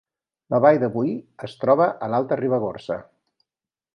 La Vall de Boí es troba a l’Alta Ribagorça